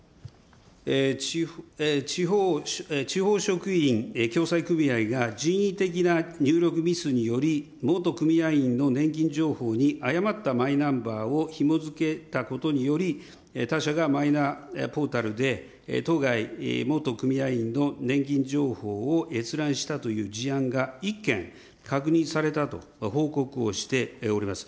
地方職員共済組合が人為的な入力ミスにより、元組合員の年金情報に誤ったマイナンバーをひも付けたことにより、他者がマイナポータルで当該元組合員の年金情報を閲覧したという事案が１件確認されたと報告をしております。